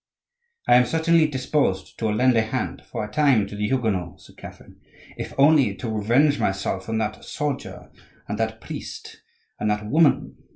"I am certainly disposed to lend a hand, for a time, to the Huguenots," said Catherine, "if only to revenge myself on that soldier and that priest and that woman!"